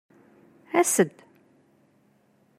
As-d!